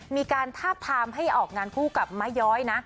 มีการทาบทามให้ออกงานคู่กับมะย้อยนะ